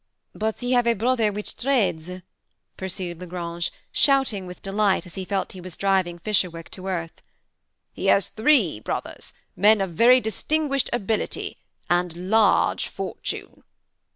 "" But he have a brother which trades," pursued La Grange, shouting with delight as he felt he was driving Fisherwick to earth. " He has three brothers, men of very distinguished ability and large fortune."